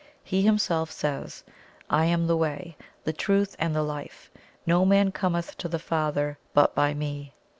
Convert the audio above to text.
He Himself says, "I am the WAY, the Truth, and the Life; no man cometh to the Father but BY ME."